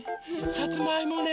さつまいもね。